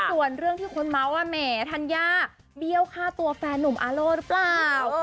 ส่วนเรื่องที่คนเมาส์ว่าแหมธัญญาเบี้ยวฆ่าตัวแฟนนุ่มอาโล่หรือเปล่า